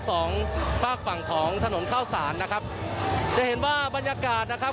สองฝากฝั่งของถนนเข้าสารนะครับจะเห็นว่าบรรยากาศนะครับ